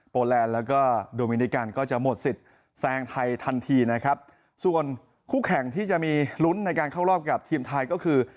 แลนด์แล้วก็โดมินิกันก็จะหมดสิทธิ์แซงไทยทันทีนะครับส่วนคู่แข่งที่จะมีลุ้นในการเข้ารอบกับทีมไทยก็คือ